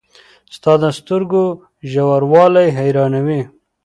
• ستا د سترګو ژوروالی حیرانوي.